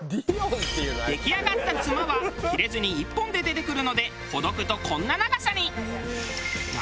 出来上がったつまは切れずに１本で出てくるのでほどくとこんな長さに。